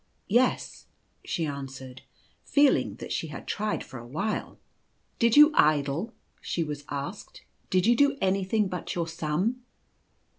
" Yes," she answered, feeling that she had tried for a while. u Did you idle ?" she was asked, " Did you do anything but your sum